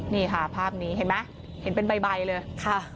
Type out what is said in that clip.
นี่ค่ะภาพนี้เห็นไหมเห็นเป็นใบเลยค่ะ